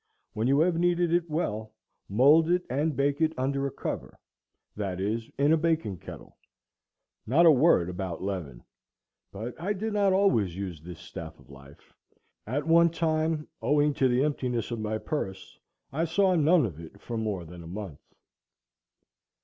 When you have kneaded it well, mould it, and bake it under a cover," that is, in a baking kettle. Not a word about leaven. But I did not always use this staff of life. At one time, owing to the emptiness of my purse, I saw none of it for more than a month.